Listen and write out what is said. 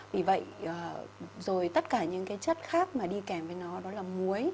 vì vậy rồi tất cả những cái chất khác mà đi kèm với nó đó là muối